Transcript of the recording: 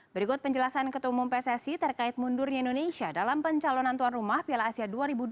berikut penjelasan ketumum pssi terkait mundurnya indonesia dalam pencalonan tuan rumah piala asia dua ribu dua puluh